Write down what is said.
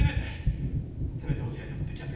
せめて落合さんの摘発が終わるまで。